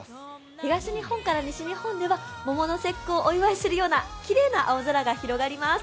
東日本から西日本では桃の節句をお祝いするようなきれいな青空が広がります。